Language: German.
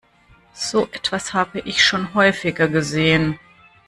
So etwas habe ich schon häufiger gesehen.